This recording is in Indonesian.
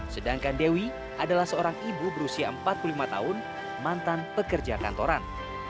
sedangkan dewi adalah seorang ibu berusia empat puluh lima tahun mantan pekerja kantoran